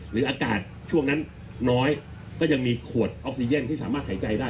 อากาศช่วงนั้นน้อยก็ยังมีขวดออกซีเย็นที่สามารถหายใจได้